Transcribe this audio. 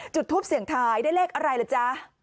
จุดทูปเสียงทายได้เลขอะไรล่ะจ๊ะ